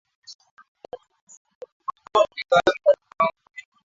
Ngoma kwa asili hutumika kusherekea au kufanya matambiko